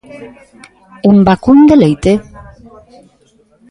¿En vacún de leite?